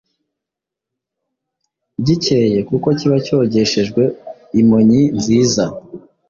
gikeye kuko kiba cyogeshejwe imonyi nziza